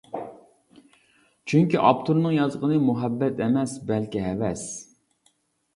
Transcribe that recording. چۈنكى ئاپتورنىڭ يازغىنى مۇھەببەت ئەمەس، بەلكى ھەۋەس.